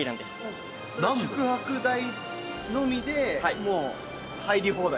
宿泊代のみで入り放題？